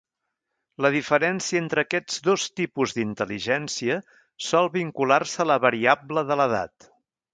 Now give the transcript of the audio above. La diferència entre aquests dos tipus d'intel·ligència sol vincular-se a la variable de l’edat.